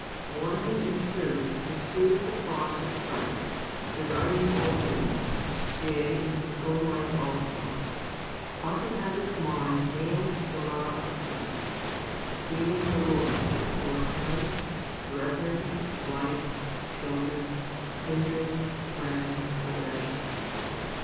One who in truth pursues the cross of Christ, denying all things, yea, and his own life also, 1 ought to have his mind nailed to the love of Christ, esteeming the Lord before parents, brethren, wife, children, kindred, friends, possessions.